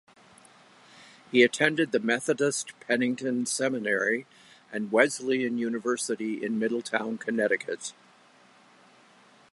He attended the Methodist Pennington Seminary and Wesleyan University in Middletown, Connecticut.